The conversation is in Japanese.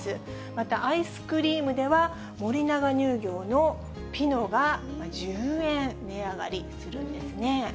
またアイスクリームでは、森永乳業のピノが１０円値上がりするんですね。